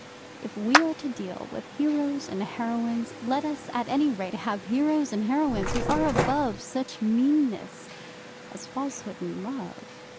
If we are to deal with heroes and heroines, let us, at any rate, have heroes and heroines who are above such meanness as falsehood in love.